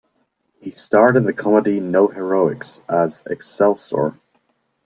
He starred in the comedy "No Heroics" as Excelsor.